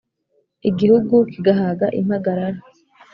Igihugu kigahaga impagarara